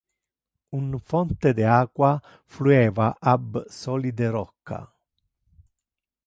Un fonte de aqua flueva ab solide rocca.